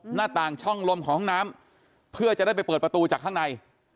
หน้าต่างช่องลมของห้องน้ำเพื่อจะได้ไปเปิดประตูจากข้างใน